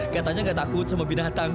katanya gak takut sama binatang